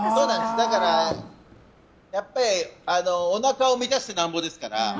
だからやっぱりおなかを満たしてなんぼですから。